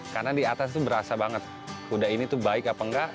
karena di atas itu berasa banget kuda ini itu baik apa enggak